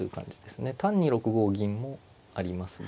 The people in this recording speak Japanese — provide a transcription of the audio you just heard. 単に６五銀もありますが。